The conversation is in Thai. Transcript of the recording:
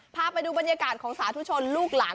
พาไปดูบรรยากาศของสาธุชนลูกหลาน